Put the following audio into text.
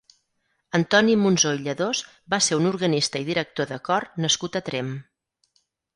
Antoni Monsó i Lledós va ser un organista i director de cor nascut a Tremp.